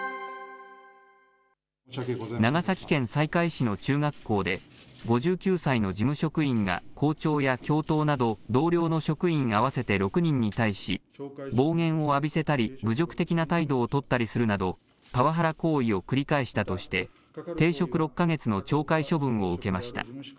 長崎県西海市の中学校で、５９歳の事務職員が校長や教頭など同僚の職員合わせて６人に対し、暴言を浴びせたり侮辱的な態度を取ったりするなど、パワハラ行為を繰り返したとして、停職６か月の懲戒処分を受けました。